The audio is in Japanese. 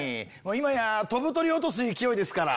今や飛ぶ鳥を落とす勢いですから。